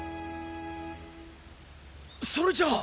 それじゃあ。